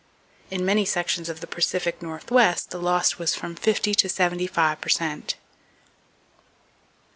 "In many sections of the Pacific Northwest the loss was from fifty to seventy five per cent."